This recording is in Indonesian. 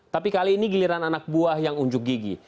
tapi kali ini giliran anak buah yang unjuk gigi